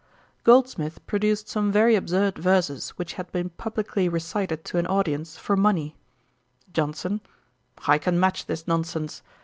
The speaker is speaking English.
Goldsmith produced some very absurd verses which had been publickly recited to an audience for money. JOHNSON. 'I can match this nonsense.